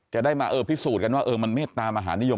จะได้มาเออผิดสูตรกันว่าเออมันเม็ดตามอาหารนิยม